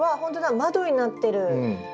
窓になってる。